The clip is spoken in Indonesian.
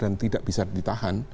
dan tidak bisa ditahan